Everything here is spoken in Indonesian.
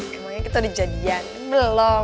kemarin kita udah jadiannya belum